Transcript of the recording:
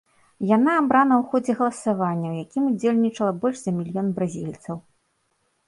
Яна абрана ў ходзе галасавання, у якім удзельнічала больш за мільён бразільцаў.